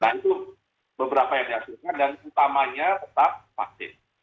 nah itu beberapa yang dihasilkan dan utamanya tetap vaksin